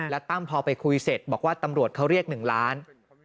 แล้วตั้มพอไปคุยเสร็จบอกว่าตำรวจเขาเรียก๑ล้าน